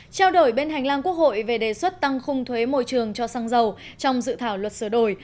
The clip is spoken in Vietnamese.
trao đổi bên hành lang quốc hội về đề xuất tăng khung thuế môi trường cho xăng dầu trong dự thảo luật sửa đổi